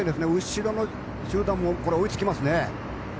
後ろの集団も追いつきますね。